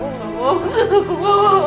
aku gak mau